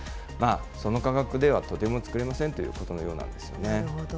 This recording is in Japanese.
その価格ではとても造れませんというようなことのようなんですね。